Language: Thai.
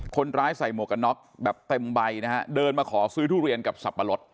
คนร้ายใส่หมวกน็อคแบบเต็มใบนะครับเดินมาขอซื้อทุเรียนกับสับปะรด